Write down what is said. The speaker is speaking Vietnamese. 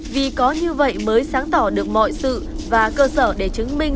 vì có như vậy mới sáng tỏ được mọi sự và cơ sở để chứng minh